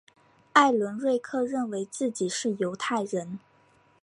艾伦瑞克认为自己是犹太人。